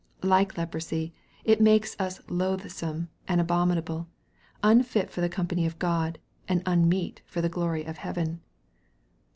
Like leprosy, it makes us loathsome and abominable, unfit for the company of God, and unmeet for the glory of heaven.